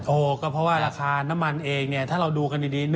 โอ้โหก็เพราะว่าราคาน้ำมันเองถ้าเราดูกันดี